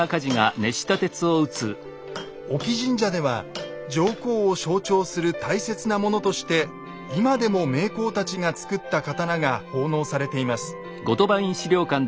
隠岐神社では上皇を象徴する大切なものとして今でも名工たちが作った刀が奉納されています。